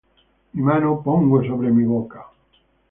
Mi mano pongo sobre mi boca.